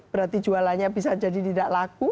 berarti jualannya bisa jadi tidak laku